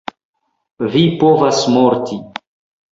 Vi povas morti.